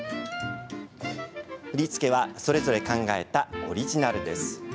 振り付けは、それぞれ考えたオリジナルです。